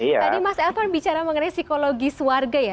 tadi mas elvan bicara mengenai psikologis warga ya